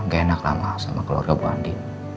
gak enak lama sama keluarga bu andi